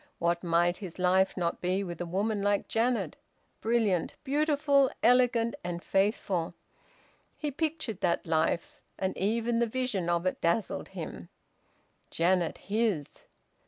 What might his life not be with a woman like Janet, brilliant, beautiful, elegant, and faithful? He pictured that life, and even the vision of it dazzled him. Janet his!